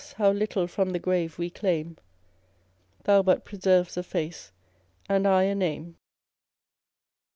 how little from the grave we claim ; Thou but preserv'st a face, and I a name.